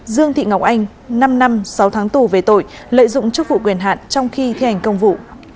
dương thị ngọc anh năm năm sáu tháng tù về tội lợi dụng chức vụ quyền hạn trong khi thi hành công vụ